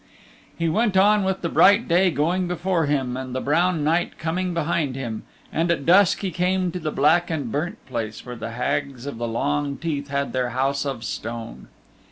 He went on with the bright day going before him and the brown night coming behind him, and at dusk he came to the black and burnt place where the Hags of the Long Teeth had their house of stone.